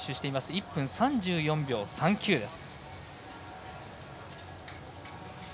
１分３４秒３９です。